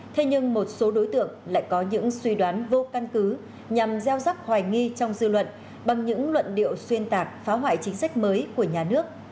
thế nhưng một số đối tượng lại có những suy đoán vô căn cứ nhằm gieo rắc hoài nghi trong dư luận bằng những luận điệu xuyên tạc phá hoại chính sách mới của nhà nước